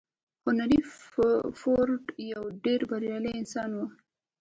هنري فورډ يو ډېر بريالی انسان و.